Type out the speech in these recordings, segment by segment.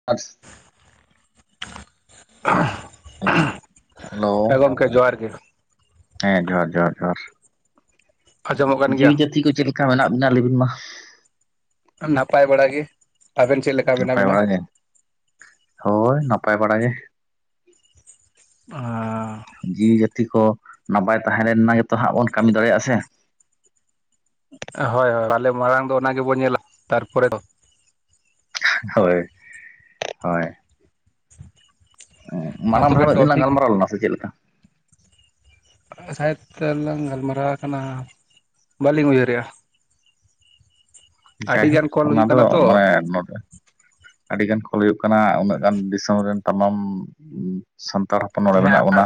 [unintelligible] [inaudible] Hello ᱦᱮᱸ ᱜᱚᱢᱠᱮ ᱡᱚᱦᱟᱸᱨ ᱜᱮᱼᱼ ᱦᱮᱸ ᱡᱚᱦᱟᱨ ᱡᱚᱦᱟᱨ ᱡᱚᱦᱟᱨ ᱟᱸᱡᱚᱢᱚᱜ ᱠᱟᱱ ᱜᱮᱭᱟ ᱡᱤᱣᱤ ᱡᱟᱹᱛᱤ ᱠᱚ ᱪᱮᱫ ᱞᱮᱠᱟ ᱢᱮᱱᱟᱜ ᱵᱤᱱᱟ ᱞᱟᱹᱭ ᱵᱤᱱ ᱢᱟ? ᱱᱟᱯᱟᱭ ᱵᱟᱲᱟ ᱜᱮ ᱟᱵᱮᱱ ᱪᱮᱫ ᱞᱮᱠᱟ ᱢᱮᱱᱟ ᱱᱟᱯᱟᱭ ᱵᱮᱱᱟ? ᱵᱟᱲᱟ ᱜᱮ ᱦᱳᱭ ᱱᱟᱯᱟᱭ ᱵᱟᱲᱟ ᱜᱮ ᱟᱨ ᱡᱤᱣᱤ ᱡᱟᱹᱛᱤ ᱠᱚ ᱱᱟᱯᱟᱭ ᱛᱟᱦᱮᱸ ᱞᱮ ᱨᱮᱱᱟᱜ ᱜᱮᱛᱚ ᱦᱟᱸᱜ ᱵᱚᱱ ᱠᱟᱹᱢᱤ ᱫᱟᱲᱮᱭᱟᱜ-ᱟ ᱥᱮ ᱦᱳᱭ ᱦᱳᱭ ᱯᱟᱞᱮ ᱢᱟᱲᱟᱝ ᱫᱚ ᱚᱱᱟ ᱜᱮᱵᱚᱱ ᱧᱮᱞᱟ ᱛᱟᱨᱯᱚᱨᱮ ᱦᱳᱭ ᱦᱚᱭ᱾ ᱢᱟ ᱢᱟᱲᱟᱝ ᱫᱷᱟᱣ ᱛᱚᱵᱮ ᱢᱤᱫ ᱫᱤᱱ ᱞᱟᱝ ᱴᱚᱯᱤᱠ ᱜᱟᱞᱢᱟᱨᱟᱣ ᱞᱮᱱᱟ ᱥᱮ ᱪᱮᱫ ᱞᱮᱠᱟ ᱥᱟᱭᱟᱛ ᱞᱟᱝ ᱜᱟᱞᱢᱟᱨᱟᱣ ᱟᱠᱟᱱᱟ ᱵᱟᱹᱞᱤᱧ ᱩᱭᱦᱟᱹᱨᱮᱜ-ᱟ᱾ ᱡᱟᱭᱦᱳᱠ ᱟᱹᱰᱤᱜᱟᱱ ᱠᱚᱞ ᱚᱱᱟ ᱦᱩᱭᱩᱜ ᱫᱚ ᱠᱟᱱᱟ ᱛᱚ ᱢᱟᱱᱮ ᱱᱚᱰᱮ ᱟᱹᱰᱤᱜᱟᱱ ᱠᱚᱞ ᱦᱩᱭᱩᱜ ᱠᱟᱱᱟ ᱩᱱᱟᱹᱜ ᱜᱟᱱ ᱫᱤᱥᱚᱢ ᱨᱮᱱ ᱛᱟᱢᱟᱢ ᱥᱟᱱᱛᱟᱲ ᱦᱚᱯᱚᱱ ᱱᱚᱲᱮ ᱦᱮᱸ ᱢᱮᱱᱟᱜ ᱵᱚᱱᱟ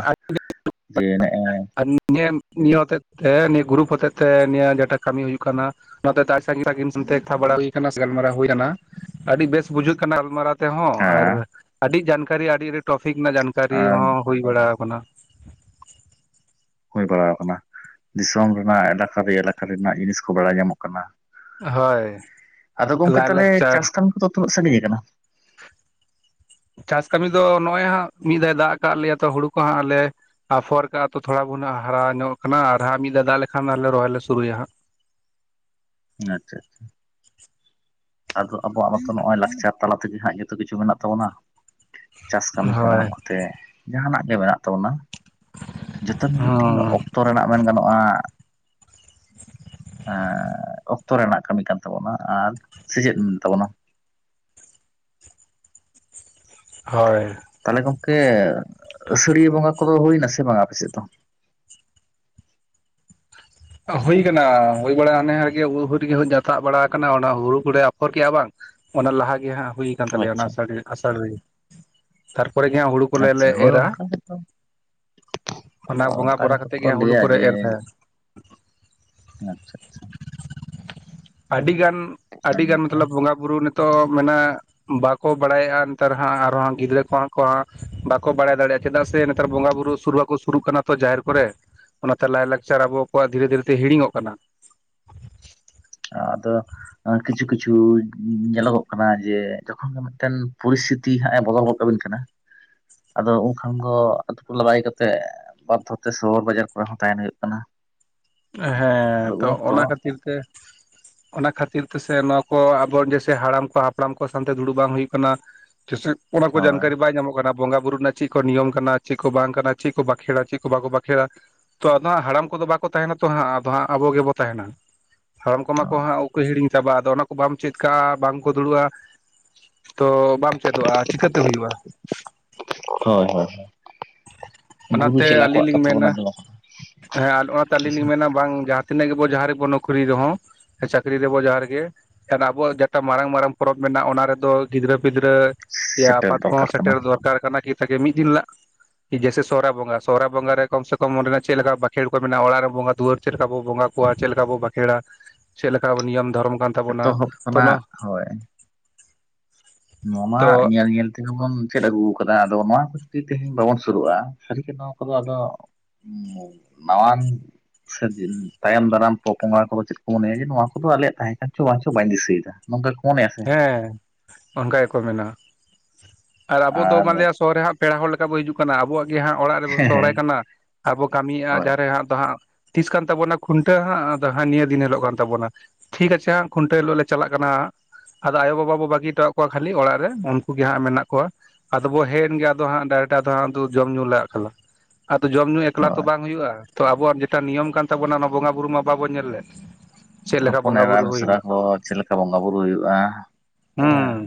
ᱡᱮ ᱱᱮᱜ-ᱚᱭ ᱱᱮᱢ ᱱᱤᱭᱟᱹ ᱦᱚᱛᱮ ᱛᱮ ᱱᱤᱭᱟᱹ ᱜᱩᱨᱩᱯ ᱦᱚᱛᱮ ᱛᱮ ᱱᱤᱭᱟᱹ ᱡᱮᱴᱟ ᱠᱟᱹᱢᱤ ᱦᱩᱭᱩᱜ ᱠᱟᱱᱟ᱾ ᱵᱟᱫᱟᱛᱟ ᱥᱟᱺᱜᱤᱧ ᱥᱟᱺᱜᱤᱧ ᱛᱮ ᱮᱠᱛᱷᱟ ᱵᱟᱲᱟ ᱦᱩᱭ ᱟᱠᱟᱱᱟ ᱥᱮ ᱜᱟᱞᱢᱟᱨᱟᱣ ᱦᱩᱭ ᱠᱟᱱᱟ ᱟᱹᱰᱤ ᱵᱮᱥ ᱵᱩᱡᱷᱟᱹᱜ ᱠᱟᱱᱟ ᱜᱟᱞᱢᱟᱨᱟᱣ ᱛᱮᱦᱚᱸ ᱟᱨ ᱦᱮᱸ ᱟᱹᱰᱤ ᱡᱟᱱᱠᱟᱨᱤ ᱟᱹᱰᱤ ᱟᱹᱰᱤ ᱴᱚᱯᱤᱠ ᱨᱮᱱᱟᱜ ᱡᱟᱱᱠᱟᱨᱤ ᱦᱚᱸ ᱦᱩᱭ ᱵᱟᱲᱟ ᱟᱠᱟᱱᱟ᱾ ᱦᱩᱭ ᱵᱟᱲᱟᱣ ᱠᱟᱱᱟ ᱫᱤᱥᱚᱢ ᱨᱮᱱᱟᱜ ᱮᱴᱟᱜ ᱠᱷᱟᱫ ᱮᱞᱟᱠᱟ ᱨᱮᱱᱟᱜ ᱡᱤᱱᱤᱥ ᱠᱚ ᱵᱟᱲᱟᱭ ᱧᱟᱢᱚᱜ ᱠᱟᱱᱟ ᱦᱳᱭ ᱟᱫᱚ ᱜᱚᱝᱠᱮ ᱛᱟᱞᱦᱮ ᱞᱟᱭᱼᱞᱟᱠᱪᱟᱨ ᱪᱟᱥ ᱠᱟᱹᱢᱤ ᱠᱚᱫᱚ ᱛᱩᱱᱟᱹᱜ ᱥᱟᱺᱜᱤᱧ ᱠᱟᱱᱟ᱾ [unintelligible] ᱪᱟᱥ ᱠᱟᱹᱢᱤ ᱫᱚ ᱱᱚᱜ-ᱚᱭ ᱦᱟᱸᱜ ᱢᱤᱫ ᱫᱷᱟᱣ ᱫᱟᱜ ᱟᱠᱟᱫ ᱞᱮᱭᱟ ᱛᱚ ᱦᱩᱲᱩ ᱠᱚ ᱦᱟᱸᱜ ᱟᱞᱮ ᱟᱯᱷᱚᱨ ᱠᱟᱜ-ᱟ ᱛᱚ ᱛᱷᱚᱲᱟ ᱵᱩᱱ ᱦᱟᱨᱟ ᱧᱚᱜ ᱠᱟᱱᱟ ᱟᱨ ᱦᱟᱸᱜ ᱢᱤᱫ ᱫᱷᱟᱣ ᱫᱟᱜ ᱞᱮᱠᱷᱟᱱᱮ ᱨᱚᱦᱚᱭ ᱞᱮ ᱥᱩᱨᱩᱭᱟ ᱦᱟᱸᱜ ᱟᱪᱪᱷᱟ ᱟᱪᱪᱷᱟ ᱟᱫᱚ ᱟᱵᱚᱣᱟᱜ ᱦᱚᱸᱛᱚ ᱱᱚᱜ-ᱚᱭ ᱞᱟᱠᱪᱟᱨ ᱛᱟᱞᱟ ᱛᱮᱜᱮ ᱦᱟᱸᱜ ᱡᱚᱛᱚ ᱠᱤᱪᱷᱩ ᱢᱮᱱᱟᱜ ᱛᱟᱵᱚᱱᱟ ᱪᱟᱥ ᱠᱟᱹᱢᱤ ᱠᱚᱨᱮ ᱦᱳᱭ ᱦᱚᱸ ᱛᱮ ᱡᱟᱦᱟᱱᱟᱜ ᱜᱮ ᱢᱮᱱᱟᱜ ᱛᱟᱵᱚᱱᱟ ᱡᱚᱛᱚ ᱢᱤᱫᱴᱮᱱ ᱦᱚᱸ ᱚᱠᱛᱚ ᱨᱮᱱᱟᱜ ᱢᱮᱱ ᱜᱟᱱᱚᱜ-ᱟ᱾ ᱮᱸᱻ ᱚᱠᱛᱚ ᱨᱮᱱᱟᱜ ᱠᱟᱹᱢᱤ ᱠᱟᱱ ᱛᱟᱵᱚᱱᱟ ᱟᱨ ᱥᱮᱪᱮᱫ ᱮ ᱛᱟᱵᱚᱱᱟᱢ ᱦᱳᱭ᱾ ᱛᱟᱦᱚᱞᱮ ᱜᱚᱢᱠᱮ ᱟᱹᱥᱟᱹᱲᱤᱭᱟᱹ ᱵᱚᱸᱜᱟ ᱠᱚᱫᱚ ᱦᱩᱭ ᱱᱟᱥᱮ ᱵᱟᱸᱜᱟ ᱟᱯᱮᱥᱮᱫ ᱫᱚ ᱦᱩᱭ ᱟᱠᱟᱱᱟ ᱦᱩᱭ ᱵᱟᱲᱟᱭ ᱦᱟᱱᱮ ᱦᱩᱲᱩ ᱦᱟᱹᱨᱤᱭᱟᱹᱲ ᱡᱟᱛᱟᱜ ᱵᱟᱲᱟ ᱟᱠᱟᱱᱟ ᱚᱱᱟ ᱦᱩᱲᱩ ᱠᱚᱨᱮ ᱟᱯᱷᱚᱨ ᱠᱮᱜᱼᱟ ᱵᱟᱝ ᱚᱱᱟ ᱞᱟᱦᱟ ᱜᱮ ᱦᱟᱸᱜ ᱦᱩᱭ ᱠᱟᱱ ᱛᱟᱞᱮᱭᱟ ᱚᱱᱟ ᱟᱪᱪᱷᱟ ᱟᱥᱟᱲ ᱟᱥᱟᱲ ᱨᱮᱜᱮ ᱛᱟᱨᱯᱚᱨᱮ ᱜᱮ ᱦᱟᱸᱜ ᱦᱩᱲᱩ ᱠᱚᱞ ᱟᱪᱪᱷᱟ ᱞᱮ ᱦᱳᱭ ᱮᱨᱟ ᱚᱱᱠᱟ ᱜᱮᱛᱚ ᱚᱱᱟ ᱵᱚᱸᱜᱟ ᱚᱱᱠᱟ ᱵᱚᱨᱟ ᱜᱮᱛᱚ ᱠᱟᱛᱮᱫ ᱠᱚ ᱜᱮ ᱦᱟᱸᱜ ᱦᱩᱲᱩ ᱞᱟᱹᱭᱟ ᱠᱚᱨᱮ ᱡᱮ ᱮᱨ ᱛᱟᱦᱮᱱ ᱟᱪᱪᱷᱟ ᱟᱪᱪᱷᱟ᱾ ᱟᱹᱰᱤᱜᱟᱱ ᱟᱹᱰᱤ ᱟᱹᱰᱤᱜᱟᱱ ᱱᱟᱯᱟᱭ ᱢᱚᱛᱞᱚᱵᱽ ᱵᱚᱸᱜᱟ ᱵᱩᱨᱩ ᱱᱤᱛᱚᱜ ᱢᱮᱱᱟᱜ ᱵᱟᱠᱚ ᱵᱟᱲᱟᱭᱮᱜ-ᱟ ᱱᱮᱛᱟᱨ ᱦᱟᱸᱜ ᱟᱨᱦᱚᱸ ᱜᱤᱫᱽᱨᱟᱹ ᱠᱚᱦᱚᱸ ᱠᱚ ᱵᱟᱠᱚ ᱵᱟᱲᱟᱭ ᱫᱟᱲᱮᱭᱟᱜ-ᱟ ᱪᱮᱫᱟᱜ ᱥᱮ ᱱᱮᱛᱟᱨ ᱵᱚᱸᱜᱟ ᱵᱩᱨᱩ ᱥᱩᱨ ᱵᱟᱠᱚ ᱥᱩᱨᱩᱜ ᱠᱟᱱᱟ ᱛᱚ ᱡᱟᱦᱮᱨ ᱠᱚᱨᱮ ᱚᱱᱟᱛᱮ ᱞᱟᱭᱞᱟᱠᱪᱟᱨ ᱟᱵᱚᱣᱟᱜ ᱫᱷᱤᱨᱮ ᱫᱷᱤᱨᱮ ᱛᱮ ᱦᱤᱲᱤᱧᱚᱜ ᱠᱟᱱᱟ᱾ ᱟᱫᱚ ᱠᱤᱪᱷᱩ ᱠᱤᱪᱷᱩ ᱧᱮᱞᱚᱜᱚᱜ ᱠᱟᱱᱟ ᱡᱮ ᱡᱚᱠᱷᱚᱱ ᱜᱮ ᱢᱤᱫᱴᱮᱱ ᱯᱚᱨᱤᱥ ᱛᱤ ᱦᱟᱸᱜ ᱮ ᱵᱚᱫᱚᱞ ᱜᱚᱫ ᱠᱟᱹᱵᱤᱱ ᱠᱟᱱᱟ ᱟᱫᱚ ᱩᱱ ᱠᱷᱟᱱ ᱫᱚ ᱟᱹᱛᱩ ᱴᱚᱞᱟ ᱵᱟᱹᱜᱤ ᱠᱟᱛᱮᱜ ᱵᱟᱫᱽᱫᱷᱚ ᱛᱮ ᱥᱚᱦᱚᱨ ᱵᱟᱡᱟᱨ ᱠᱚᱨᱮ ᱦᱚᱸ ᱛᱟᱦᱮᱱ ᱦᱩᱭᱩᱜ ᱠᱟᱱᱟ᱾ ᱦᱮᱸ ᱟᱫᱚ ᱛᱚ ᱩᱱ ᱚᱠᱛᱚ ᱚᱱᱟ ᱠᱷᱟᱹᱛᱤᱨ ᱛᱮ [unintelligible] ᱚᱱᱟ ᱠᱷᱟᱹᱛᱤᱨ ᱛᱮᱥᱮ ᱱᱚᱶᱟ ᱠᱚ ᱟᱵᱚ ᱡᱮᱭᱥᱮ ᱦᱟᱲᱟᱢ ᱠᱚ ᱦᱟᱯᱲᱟᱢ ᱠᱚ ᱥᱟᱶᱛᱮ ᱫᱩᱲᱩᱵ ᱵᱟᱝ ᱦᱩᱭᱩᱜ ᱠᱟᱱᱟ᱾ ᱠᱮᱥᱮᱜ ᱚᱱᱟ ᱠᱚ ᱦᱳᱭ ᱡᱟᱱᱠᱟᱨᱤ ᱵᱟᱭ ᱧᱟᱢᱚᱜ ᱠᱟᱱᱟ᱾ ᱵᱚᱸᱜᱟ ᱵᱩᱨᱩ ᱨᱮᱱᱟᱜ ᱪᱮᱫ ᱠᱚ ᱱᱤᱭᱚᱢ ᱠᱟᱱᱟ ᱪᱮᱫ ᱠᱚ ᱵᱟᱝ ᱠᱟᱱᱟ ᱪᱮᱫ ᱠᱚ ᱵᱟᱸᱠᱷᱮᱲᱟ ᱪᱮᱫ ᱠᱚ ᱵᱟᱠᱚ ᱵᱟᱸᱠᱷᱮᱲᱟ ᱛᱚ ᱟᱫᱚ ᱦᱟᱸᱜ ᱦᱟᱲᱟᱢ ᱠᱚᱫᱚ ᱵᱟᱠᱚ ᱛᱟᱦᱮᱱᱟ ᱛᱚ ᱦᱟᱸᱜ ᱟᱫᱚ ᱦᱟᱸᱜ ᱟᱵᱚ ᱜᱮᱵᱚ ᱛᱟᱦᱮᱱᱟ ᱦᱟᱲᱟᱢ ᱠᱚᱢᱟ ᱠᱚ ᱦᱳᱭ ᱦᱟᱸᱜ ᱩᱠᱚᱭ ᱦᱤᱲᱤᱧ ᱪᱟᱵᱟᱜ-ᱟ ᱟᱫᱚ ᱚᱱᱟ ᱠᱚ ᱵᱟᱢ ᱪᱮᱫ ᱠᱟᱜ-ᱟ ᱵᱟᱝ ᱠᱚ ᱫᱩᱲᱩᱵ-ᱟ᱾ ᱛᱚ ᱵᱟᱢ ᱪᱮᱫᱚᱜ-ᱟ ᱪᱤᱠᱟᱹᱛᱮ ᱦᱩᱭᱩᱜ-ᱟ᱾ ᱦᱳᱭ ᱦᱳᱭ ᱜᱩᱨᱩ ᱚᱱᱟᱛᱮ ᱪᱮᱞᱟ ᱟᱹᱞᱤᱧ ᱠᱚᱣᱟᱜ ᱞᱤᱧ ᱠᱟᱛᱷᱟ ᱵᱚᱱ ᱢᱮᱱᱟ ᱟᱸᱡᱚᱢᱟ ᱦᱮᱸ ᱟᱨ ᱚᱱᱟ ᱛᱮ ᱟᱹᱞᱤᱧ ᱞᱤᱧ ᱢᱮᱱᱟ ᱵᱟᱝ ᱡᱟᱦᱟᱸ ᱛᱤᱱᱟᱹᱜ ᱜᱮᱵᱚ ᱡᱟᱦᱟᱸ ᱨᱮᱵᱚ ᱱᱚᱠᱨᱤ ᱨᱮᱦᱚᱸ ᱪᱟᱹᱠᱨᱤ ᱨᱮᱵᱚ ᱡᱥᱦᱟ ᱨᱮᱜᱮ, ᱟᱵᱚᱣᱟᱜ ᱡᱮᱴᱟ ᱢᱟᱨᱟᱝ ᱢᱟᱨᱟᱝ ᱯᱚᱨᱚᱵᱽ ᱢᱮᱱᱟᱜ-ᱟ ᱚᱱᱟ ᱨᱮᱫᱚ ᱜᱤᱫᱽᱨᱟᱹ ᱯᱤᱫᱽᱨᱟᱹ ᱫᱤᱭᱟ ᱥᱮᱴᱮᱨ ᱟᱯᱟᱛ ᱠᱚᱦᱚᱸ ᱫᱚᱨᱠᱟᱨ ᱠᱟᱱᱟ ᱥᱮᱴᱮᱨ ᱫᱚᱨᱠᱟᱨ ᱠᱟᱱᱟ ᱠᱤ ᱛᱮᱜᱮ ᱢᱤᱫ ᱫᱤᱱ ᱦᱤᱞᱳᱜ, ᱡᱮᱭᱥᱮ ᱥᱚᱦᱨᱟᱭ ᱵᱚᱸᱜᱟ ᱥᱚᱦᱨᱟᱭ ᱵᱚᱸᱜᱟ ᱨᱮ ᱠᱚᱢ ᱥᱮ ᱠᱚᱢ ᱚᱸᱰᱮ ᱪᱮᱫ ᱞᱮᱠᱟ ᱵᱟᱸᱠᱷᱮᱲ ᱠᱚ ᱢᱮᱱᱟᱜ-ᱟ ᱚᱲᱟᱜ ᱨᱮ ᱵᱚᱸᱜᱟ ᱫᱩᱣᱟᱹᱨ ᱪᱮᱫ ᱞᱮᱠᱟ ᱵᱚᱸᱜᱟ, ᱪᱮᱫ ᱞᱮᱠᱟ ᱵᱚ ᱵᱟᱸᱠᱷᱮᱲᱟ ᱪᱮᱫ ᱞᱮᱠᱟᱚ ᱱᱤᱭᱚᱢ ᱫᱷᱚᱨᱚᱢ ᱠᱟᱱ ᱛᱟᱵᱚᱱᱟ ᱮᱛᱚᱦᱚᱵ ᱛᱚ ᱱᱚᱣᱟ, ᱠᱷᱚᱱᱟᱜ ᱦᱳᱭ ᱱᱚᱣᱟ ᱢᱟ ᱛᱚ ᱧᱮᱞ ᱧᱮᱞ ᱛᱮᱜᱮ ᱵᱚᱱ ᱢᱩᱪᱟᱹᱫ ᱟᱹᱜᱩ ᱟᱠᱟᱫᱟ ᱟᱫᱚ ᱱᱚᱣᱟ ᱠᱷᱟᱹᱛᱤᱨ ᱛᱮᱦᱮᱧ ᱵᱟᱵᱚᱱ ᱥᱩᱨᱩᱜᱼᱟ, ᱥᱟᱹᱨᱤ ᱠᱟᱛᱷᱟ ᱱᱚᱣᱟ ᱠᱚᱫᱚ ᱟᱫᱚ, ᱱᱟᱣᱟᱱ ᱥᱮ ᱛᱟᱭᱚᱢ ᱫᱟᱨᱟᱢ ᱯᱚ-ᱯᱚᱝᱲᱟ ᱠᱚᱫᱚ ᱪᱮᱫ ᱠᱚ ᱢᱚᱱᱮᱭᱟ ᱡᱮ ᱱᱚᱣᱟ ᱠᱚᱫᱚ ᱟᱞᱮᱭᱟᱜ ᱛᱟᱦᱮᱸ ᱠᱟᱱ ᱪᱚ ᱵᱟᱝ ᱪᱚ ᱵᱟᱭ ᱫᱤᱥᱟᱹᱭᱮᱫᱟ, ᱱᱚᱠᱟ ᱜᱮᱠᱚ ᱢᱚᱱᱮᱭᱟ, ᱥᱮ ᱦᱮᱸ ᱚᱱᱠᱟ ᱜᱮᱠᱚ ᱢᱮᱱᱟ ᱟᱨ ᱟᱵᱚ ᱫᱚ ᱢᱟᱱᱮᱭᱟ ᱥᱚᱦ ᱦᱟᱸᱜ, ᱯᱮᱲᱟ ᱦᱚᱲ ᱞᱮᱠᱟ ᱵᱚᱱ ᱦᱤᱡᱩᱜ ᱠᱟᱱᱟ ᱟᱵᱚᱣᱟᱜ ᱜᱮ ᱚᱲᱟᱜ ᱨᱮᱵᱚ ᱦᱮᱸ ᱥᱚᱦᱨᱟᱭ ᱠᱟᱱᱟ ᱟᱨᱵᱚ ᱠᱟᱹᱢᱤᱭᱮᱫᱼᱟ ᱦᱳᱭ ᱡᱟᱦᱟᱸᱨᱮ ᱦᱟᱸᱜ ᱫᱚ ᱦᱟᱸᱜ, ᱛᱤᱥ ᱠᱟᱱ ᱛᱟᱵᱚᱱᱟ ᱠᱷᱩᱱᱴᱟᱹᱣ ᱦᱟᱸᱜ ᱟᱫᱚ ᱱᱤᱭᱟᱹ ᱫᱤᱱ ᱦᱤᱞᱳᱜ ᱠᱟᱱ ᱛᱟᱵᱚᱱᱟ, ᱴᱷᱤᱠ ᱟᱪᱷᱮ ᱦᱟᱜ ᱠᱷᱩᱱᱴᱭᱟᱹ ᱦᱤᱞᱜ ᱞᱮ ᱪᱟᱞᱟᱜ ᱠᱟᱱᱟ ᱦᱟᱸᱜ ᱟᱫᱚ ᱟᱭᱳᱵᱟᱵᱟ ᱵᱚ ᱵᱟᱹᱜᱤ ᱦᱚᱴᱚᱟᱠᱚᱣᱟ ᱠᱷᱟᱹᱞᱤ ᱚᱲᱟᱜ ᱨᱮ ᱩᱱᱠᱩ ᱜᱮ ᱦᱟᱸᱜ ᱢᱮᱱᱟᱜ ᱠᱚᱣᱟ, ᱟᱫᱚ ᱵᱚ ᱦᱮᱡ ᱮᱱ ᱜᱮ ᱟᱫᱚ ᱦᱟᱸᱜ ᱰᱟᱭᱨᱮᱴ ᱟᱫᱚ ᱦᱟᱜ ᱫᱩ ᱡᱚᱢ ᱧᱩ ᱞᱟᱜᱟᱜ ᱠᱟᱱᱟ, ᱟᱫᱚ ᱡᱚᱢ ᱧᱩ ᱮᱠᱞᱟ ᱦᱳᱭ ᱛᱚ ᱵᱟᱝ ᱦᱩᱭᱩᱜᱼᱟ ᱛᱚ ᱟᱵᱚᱣᱟᱜ ᱡᱮᱴᱟ ᱱᱤᱭᱚᱢ ᱠᱟᱱ ᱛᱟᱵᱚᱱᱟ ᱚᱱᱟ ᱵᱚᱸᱜᱟᱼ ᱵᱩᱨᱩ ᱢᱟ ᱵᱟᱵᱚᱱ ᱧᱮᱞ ᱞᱮᱫ, ᱪᱮᱫ ᱞᱮᱠᱟ ᱦᱚᱯᱚᱱ ᱵᱚᱸᱜᱟ ᱮᱨᱟ ᱵᱩᱨᱩ ᱢᱤᱥᱨᱟ ᱦᱩᱭᱱᱟ ᱠᱚ ᱪᱮᱞᱮᱠᱟ, ᱵᱚᱸᱜᱟ ᱵᱩᱨᱩ ᱦᱩᱭᱩᱜᱼᱟ ᱦᱮᱸ ᱦᱩᱸ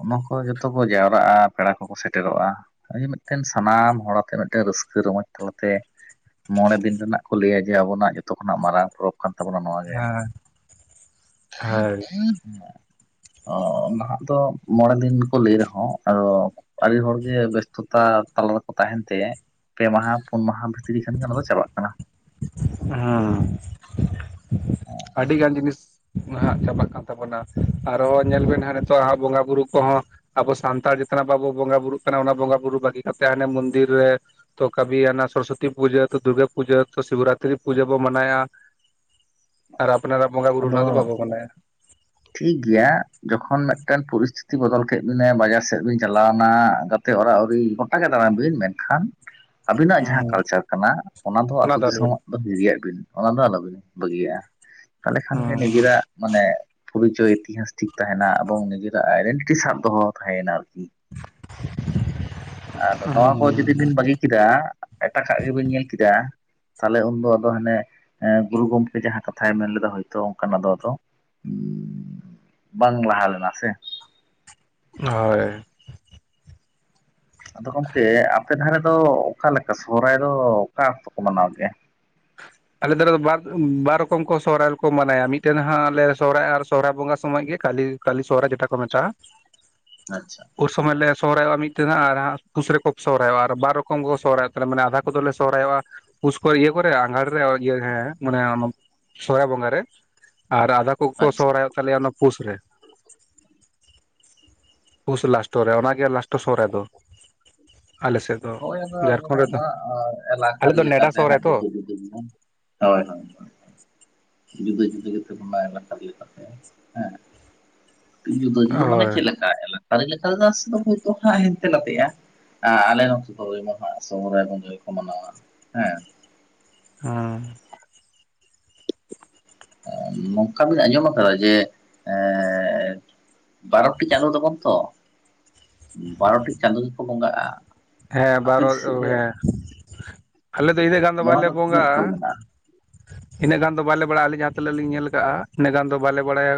ᱚᱱᱟ, ᱦᱳᱭ ᱡᱚᱛᱚ ᱠᱚ ᱡᱟᱣᱨᱟᱜᱼᱟ ᱯᱮᱲᱟ ᱠᱚᱠᱚ ᱥᱮᱴᱮᱨᱚᱜᱼᱟ, ᱱᱚᱜ-ᱚᱭ ᱡᱮ ᱢᱤᱫᱴᱮᱱ ᱥᱟᱱᱟᱢ ᱦᱚᱲᱟᱛᱮ ᱢᱤᱫᱴᱮᱱ ᱨᱟᱹᱥᱠᱟᱹ ᱨᱚᱢᱚᱡᱽ ᱛᱟᱞᱟᱛᱮ, ᱢᱚᱬᱮ ᱫᱤᱱ ᱨᱮᱱᱟᱜ ᱠᱚ ᱞᱟᱹᱭᱟ ᱡᱮ ᱟᱵᱚᱱᱟᱜ ᱡᱚᱛᱚ ᱠᱷᱚᱱᱟᱜ ᱢᱟᱨᱟᱝ ᱯᱚᱨᱚᱵᱽ ᱠᱟᱱ ᱛᱟᱵᱚᱱᱟ ᱱᱚᱣᱟ, ᱜᱮ ᱦᱮᱸ ᱦᱳᱭ [inaudible] ᱚ ᱱᱟᱦᱟᱜ ᱫᱚ ᱢᱚᱬᱮ ᱫᱤᱱ ᱜᱮ ᱠᱚ ᱞᱟᱹᱭ ᱨᱮᱦᱚᱸ ᱟᱫᱚ, ᱟᱹᱰᱤ ᱦᱚᱲᱜᱮ ᱵᱮᱥᱛᱚᱛᱟ ᱛᱟᱞᱟ ᱨᱮᱠᱚ ᱛᱟᱦᱮᱸᱱ ᱛᱮ ᱯᱮ ᱢᱟᱦᱟ ᱯᱩᱱ ᱢᱟᱦᱟ ᱵᱷᱤᱛ ᱛᱤᱨᱤ ᱠᱷᱟᱱ ᱜᱮ ᱚᱱᱟ ᱫᱚ ᱪᱟᱞᱟᱜ ᱠᱟᱱᱟ, ᱦᱮᱸ ᱟᱹᱰᱤ ᱜᱟᱱ ᱡᱤᱱᱤᱥ, ᱦᱟᱸᱜ ᱪᱟᱵᱟᱜ ᱠᱟᱱ ᱛᱟᱵᱚᱱᱟ ᱟᱨᱦᱚ ᱧᱮᱞ ᱵᱮᱱ ᱦᱟᱸᱜ ᱱᱤᱛᱚᱟᱜ ᱵᱚᱸᱜᱟ ᱵᱩᱨᱩ ᱠᱚᱦᱚᱸ, ᱟᱵᱚ ᱥᱟᱱᱛᱟᱲ ᱡᱮᱛᱱᱟᱜ ᱵᱟᱵᱚ ᱵᱚᱸᱜᱟ ᱵᱩᱨᱩᱜ ᱠᱟᱱᱟ ᱚᱱᱟ ᱵᱚᱸᱜᱟ ᱵᱩᱨᱩ ᱵᱟᱹᱜᱤ ᱠᱟᱛᱮ ᱦᱟᱱᱮ ᱢᱚᱱᱫᱤᱨ ᱨᱮ, ᱛᱚ ᱠᱟᱹᱵᱷᱤ ᱚᱱᱟ ᱥᱚᱨᱚᱥᱚᱛ ᱯᱩᱡᱟᱹᱚ ᱫᱩᱨᱜᱟ ᱯᱩᱡᱟ ᱛᱚ ᱥᱤᱵᱨᱟᱛ, ᱛᱨᱤ ᱯᱩᱡᱟᱹ ᱵᱚ ᱢᱟᱱᱟᱭᱟ ᱟᱨ ᱟᱯᱱᱟᱨᱟᱜ ᱵᱚᱸᱜᱟ ᱵᱩᱨᱩ ᱨᱮᱱᱟᱜ ᱫᱚ ᱵᱟᱵᱚ ᱢᱟᱱᱟᱭᱟ, ᱴᱷᱤᱠᱜᱮᱭᱟ ᱡᱚᱠᱷᱚᱱ ᱢᱤᱫᱴᱟᱝ ᱯᱚᱨᱤᱥᱛᱷᱤᱛᱤ ᱵᱚᱫᱚᱞ ᱠᱮᱫ ᱵᱤᱱᱟ ᱵᱟᱡᱟᱨ ᱥᱮᱫ ᱵᱤᱱ ᱪᱟᱞᱟᱣᱱᱟ, ᱥᱮ ᱚᱨᱟ ᱩᱨᱤ ᱜᱚᱴᱟᱜᱮ ᱫᱟᱬᱟᱱ ᱵᱤᱱ ᱢᱮᱱᱠᱷᱟᱱ, ᱟᱵᱤᱱᱟᱜ ᱡᱟᱦᱟᱸ ᱠᱟᱞᱪᱟᱨ ᱠᱟᱱᱟ ᱚᱱᱟ ᱫᱚ ᱟᱹᱛᱩ ᱫᱤᱥᱚᱢ, ᱦᱤᱨᱤᱭᱟᱜ ᱵᱤᱱ ᱚᱱᱟ ᱫᱚ ᱟᱞᱚᱵᱤᱱ ᱵᱟᱹᱜᱤᱭᱟᱜᱼᱟ ᱛᱟᱦᱚᱞᱮ ᱠᱷᱟᱱ ᱜᱮ ᱱᱤᱡᱮᱨᱟᱜ ᱢᱟᱱᱮ, ᱯᱚᱨᱤᱪᱚᱭ ᱤᱛᱤᱦᱟᱥ ᱴᱷᱤᱠ ᱛᱟᱦᱮᱸᱱᱟ ᱮᱵᱚᱝ ᱱᱤᱡᱮᱨᱟᱜ ᱟᱭᱰᱮᱱᱴᱤᱴᱤ ᱥᱟᱵ ᱫᱚᱦᱚ ᱛᱟᱦᱮᱸᱭᱱᱟ ᱟᱨᱠᱤ, [inaudible] ᱟᱫᱚ ᱱᱚᱣᱟ ᱠᱚ ᱡᱩᱫᱤ ᱵᱤᱱ ᱵᱟᱹᱜᱤ ᱠᱮᱫᱟ ᱮᱴᱟᱜᱟᱜ ᱜᱮᱵᱤᱱ ᱧᱮᱞ ᱠᱮᱫᱟ, ᱛᱟᱦᱞᱮ ᱩᱱᱫᱚ ᱟᱫᱚ ᱦᱟᱱᱮ ᱜᱩᱨᱩ ᱜᱚᱢᱠᱮ ᱡᱟᱦᱟᱸ ᱠᱟᱛᱷᱟᱭ ᱢᱮᱱ ᱞᱮᱫᱟ ᱦᱳᱭᱛᱚ ᱚᱱᱠᱟᱱᱟᱜ ᱫᱚ ᱟᱫᱚ, ᱵᱟᱝ ᱞᱟᱦᱟ ᱞᱮᱱᱟ ᱥᱮ, ᱦᱳᱭ ᱟᱫᱚ ᱜᱚᱢᱠᱮ ᱟᱯᱮ ᱫᱷᱟᱨᱮ ᱫᱚ ᱚᱠᱟᱮ ᱞᱮᱠᱟ ᱥᱚᱦᱨᱟᱭ ᱫᱚ ᱚᱠᱟ ᱚᱠᱛᱚ ᱠᱚ ᱢᱟᱱᱟᱣ ᱜᱮᱭᱟ, ᱟᱞᱮ ᱫᱷᱟᱨᱮ ᱫᱚ ᱵᱟᱨ ᱵᱟᱨ ᱨᱚᱠᱚᱢ ᱠᱚ ᱥᱚᱦᱚᱨᱟᱭ ᱨᱮᱠᱚ ᱢᱟᱱᱟᱭᱟ ᱢᱤᱫᱴᱮᱱ ᱦᱟᱸᱜ ᱟᱮ ᱥᱚᱦᱟᱭ ᱟᱨ ᱥᱚᱦᱨᱟᱭ ᱵᱚᱸᱜᱟ ᱥᱚᱢᱚᱭ ᱜᱮ ᱠᱟᱹᱞᱤ, ᱠᱟᱹᱞᱤ ᱥᱚᱦᱨᱟᱭ ᱡᱮᱴᱟ ᱠᱚ ᱢᱮᱛᱟᱜᱼᱟ, ᱟᱪᱪᱷᱟ᱾ ᱩᱱ ᱥᱚᱢᱚᱭᱞᱮ ᱥᱚᱦᱨᱟᱭᱚᱜᱼᱟ ᱢᱤᱫᱛᱮ ᱦᱟᱸᱜ ᱟᱨ ᱦᱟᱜ ᱯᱩᱥ ᱨᱮᱠᱚ ᱥᱚᱦᱨᱟᱭᱚᱜᱼᱟ ᱟᱨ ᱵᱟᱨ ᱨᱚᱠᱚᱢ ᱠᱚ ᱥᱚᱦᱨᱟᱭᱚᱜ ᱛᱟᱞᱮ ᱢᱟᱱᱮ ᱟᱫᱷᱟ ᱠᱚᱫᱚᱞᱮ ᱥᱚᱦᱨᱟᱭᱚᱜᱼᱟ᱾ ᱯᱩᱥ ᱠᱚ ᱤᱭᱟᱹ ᱠᱚᱨᱮ ᱟᱸᱜᱟᱲ ᱤᱭᱟᱹ ᱦᱮᱸ ᱢᱟᱱᱮ ᱚᱱᱟ ᱥᱚᱦᱨᱟᱭ ᱵᱚᱸᱜᱟ ᱨᱮ ᱟᱨ ᱟᱫᱷᱟ ᱠᱚᱠᱚ ᱟᱪᱪᱷᱟ ᱥᱚᱦᱨᱟᱭᱚᱜ ᱛᱟᱞᱮᱭᱟ ᱚᱱᱟ ᱯᱩᱥ ᱨᱮ᱾ ᱯᱩᱥ ᱞᱟᱥᱴᱳ ᱨᱮ ᱚᱱᱟᱜᱮ ᱞᱟᱥᱴᱳ ᱥᱦᱚᱨᱟᱭ ᱫᱚ ᱟᱞᱮ ᱥᱮᱫ᱾ ᱫᱚ ᱦᱳᱭ ᱟᱫᱚ ᱡᱷᱟᱲᱠᱷᱚᱸᱰ ᱟᱵᱚᱱᱟᱜ ᱨᱮᱫᱚ ᱱᱚᱣᱟ ᱟᱞᱮ ᱮᱞᱟᱠᱟᱨᱤ ᱫᱚ ᱱᱮᱰᱟ ᱞᱮᱠᱟᱛᱮ ᱥᱚᱦᱨᱟᱭ ᱦᱟᱸᱜ ᱛᱚ ᱡᱩᱫᱟᱹ ᱡᱩᱫᱟᱹ, ᱦᱳᱭ ᱦᱳᱭ᱾ ᱡᱩᱫᱟᱹ ᱡᱩᱫᱟᱹ ᱜᱮᱛᱟ ᱵᱚᱱᱟ ᱮᱞᱟᱠᱟᱟᱨᱤ ᱞᱮᱠᱟᱛᱮ ᱦᱮᱸ, ᱡᱩᱫᱟᱹ ᱡᱩᱫᱟᱹ ᱢᱟᱱᱮ ᱦᱳᱭ ᱪᱮᱫ ᱞᱮᱠᱟ? ᱮᱞᱟᱠᱟ ᱟᱨᱤ ᱞᱮᱠᱟ ᱛᱮᱫᱚ ᱦᱚᱭᱛᱚ ᱦᱮᱱᱛᱮ ᱱᱟᱛᱮᱼᱟ ᱟᱞᱮ ᱱᱚ [unintelligible] ᱢᱟᱦᱟ ᱥᱚᱦᱨᱟᱭ ᱵᱚᱸᱜᱟ ᱜᱮᱠᱚ ᱢᱟᱱᱟᱣᱟ ᱦᱮᱸ ᱦᱩᱸ ᱱᱚᱝᱠᱟ ᱵᱤᱱ ᱟᱸᱡᱚᱢ ᱟᱠᱟᱫᱟ ᱡᱮ ᱮ ᱵᱟᱨᱚᱴᱤ ᱪᱟᱸᱫᱳ ᱛᱚᱵᱚᱱ ᱛᱚ ᱵᱟᱨᱚᱴᱤ ᱪᱟᱸᱫᱳ ᱜᱮᱠᱚ ᱵᱚᱸᱜᱟᱜᱼᱟ᱾ ᱦᱮᱸ ᱟᱯᱮ ᱵᱟᱨᱚ ᱥᱮᱫ ᱫᱚ ᱦᱮᱸ ᱟᱞᱮ ᱫᱚ ᱤᱱᱟᱹᱜ ᱜᱟᱱ ᱫᱚ ᱱᱚᱣᱟ ᱵᱟᱞᱮ ᱵᱚᱸᱜᱟᱜᱼᱟ᱾ ᱛᱤᱱᱟᱹᱜ ᱥᱚᱞ ᱢᱮᱱᱟᱜᱼᱟ ᱤᱱᱟᱹᱜ ᱜᱟᱱ ᱫᱚ ᱵᱟᱞᱮ ᱵᱟᱲᱟᱭᱟ ᱟᱹᱞᱤᱧ ᱡᱟᱦᱟᱸ ᱛᱤᱱᱟᱹᱜ ᱞᱤᱧ ᱧᱮᱞ ᱠᱟᱜᱼᱟ ᱤᱱᱟᱹᱜ ᱜᱟᱱ ᱫᱚ ᱵᱟᱞᱮ ᱵᱟᱲᱟᱭᱟ᱾